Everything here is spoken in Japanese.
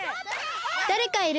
だれかいる！